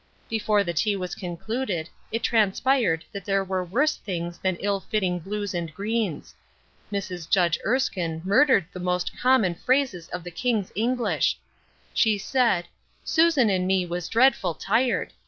Before the tea was concluded, it transpired that there were worse things than ill fitting blues and greens. Mrs. Judge Erskine murdered the most common phrases of the king's English ! She said, " Susan and me was dreadful tired